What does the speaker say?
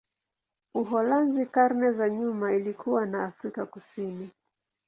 Uholanzi karne za nyuma ilikuwa na Afrika Kusini.